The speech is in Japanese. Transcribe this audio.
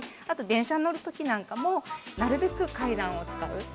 あと電車に乗る時なんかもなるべく階段を使う。